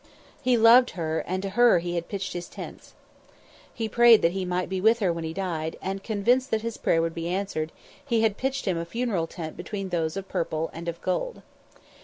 He loved her and to her had pitched his tents. He prayed that he might be with her when he died, and, convinced that his prayer would be answered, he had pitched him a funeral tent between those of Purple and of Gold.